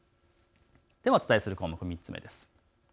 お伝えする項目、３つ目です。